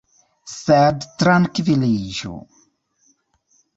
Sed trankviliĝu!